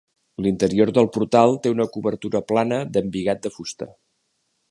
L'interior del portal té una cobertura plana d'embigat de fusta.